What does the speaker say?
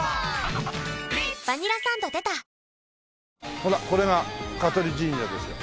ほらこれが香取神社ですよ。